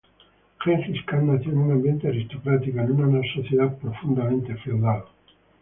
Genghis Kan nació en un ambiente aristocrático, en una sociedad profundamente feudal.